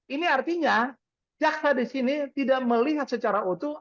ini artinya jaksa di sini tidak melihat secara utuh